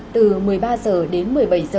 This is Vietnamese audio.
từ một mươi ba h đến một mươi bảy h